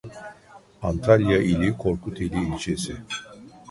Antalya ili Korkuteli ilçesi